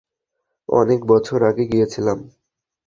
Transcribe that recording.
অনেক বছর আগে গিয়েছিলাম।